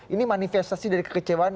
ini manifestasi dari kekecewaan